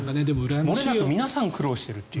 もれなく皆さん苦労しているっていう。